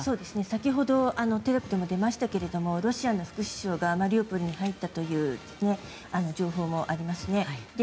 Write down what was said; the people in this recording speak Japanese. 先ほどテロップにも出ましたがロシアの副首相がマリウポリに入ったという情報もありますね。